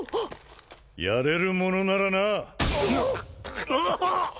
やれるものならなああっ！